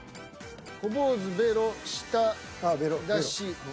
小坊主ベロ舌出し。